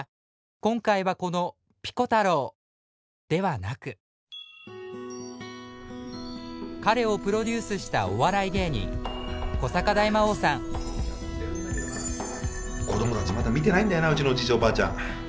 今回はこのピコ太郎ではなく彼をプロデュースしたお笑い芸人子供たちまだ見てないんだよなうちのおじいちゃんおばあちゃん。